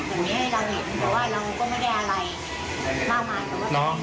เพราะว่าเราก็ไม่ได้อะไรมากมาย